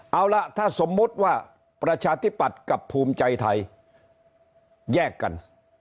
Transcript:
เอาล่ะถ้าสมมุติว่าประชาธิปัตย์กับภูมิใจไทยแยกกัน